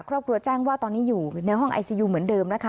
ครอบครัวแจ้งว่าตอนนี้อยู่ในห้องไอซียูเหมือนเดิมนะคะ